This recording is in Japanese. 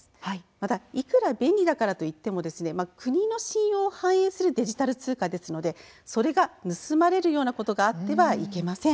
また、いくら便利だからといって国の信用を反映するデジタル通貨ですのでそれが盗まれるようなことがあってはいけません。